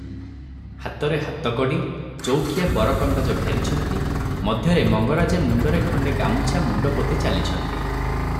ହାତରେ ହାତକଡ଼ି, ଚୌକିଆ ବରକନ୍ଦାଜ ଘେରିଛନ୍ତି, ମଧ୍ୟରେ ମଙ୍ଗରାଜେ ମୁଣ୍ତରେ ଖଣ୍ତେ ଗାମୁଛା ମୁଣ୍ତପୋତି ଚାଲିଛନ୍ତି ।